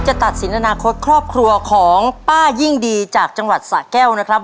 จะตัดสินอนาคตครอบครัวของป้ายิ่งดีจากจังหวัดสะแก้วนะครับ